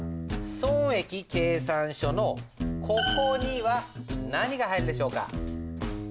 損益計算書のここには何が入るでしょうか？